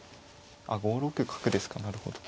あっ５六角ですかなるほど。